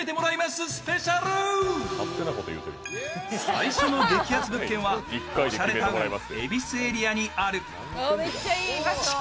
最初の激アツ物件はおしゃれタウン、恵比寿エリアにあります。